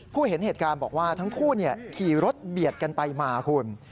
เห็นเหตุการณ์บอกว่าทั้งคู่ขี่รถเบียดกันไปมาคุณ